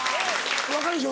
分かるでしょ？